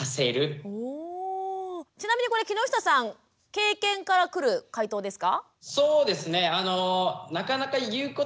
ちなみにこれ木下さん経験から来る解答ですか？